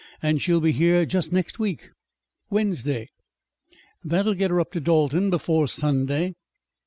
"And she'll be here just next week Wednesday. That'll get her up to Dalton before Sunday."